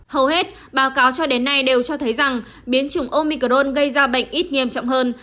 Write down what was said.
hầu hết báo cáo cho đến nay đều cho thấy rằng biến chủng omicron gây ra bệnh ít nghiêm trọng hơn